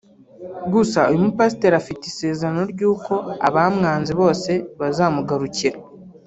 gusa uyu mupasiteri afite isezerano ry’uko abamwanze bose bazamugarukira